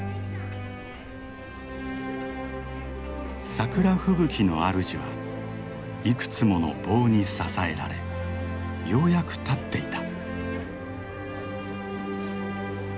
桜吹雪のあるじはいくつもの棒に支えられようやく立っていた。